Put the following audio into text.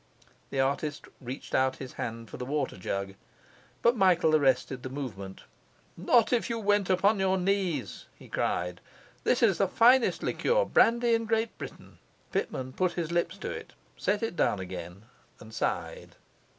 The artist reached out his hand for the water jug, but Michael arrested the movement. 'Not if you went upon your knees!' he cried. 'This is the finest liqueur brandy in Great Britain.' Pitman put his lips to it, set it down again, and sighed.